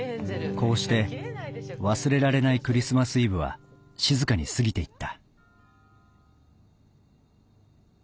こうして忘れられないクリスマス・イブは静かに過ぎていった